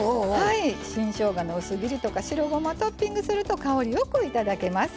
新しょうがの薄切りとか白ごまトッピングすると香りよく頂けます。